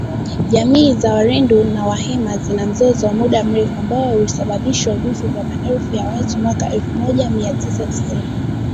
Jamii za walendu na wahema zina mzozo wa muda mrefu ambao ulisababishwa vifo vya maelfu ya watu mwaka elfu moja mia tisa tisini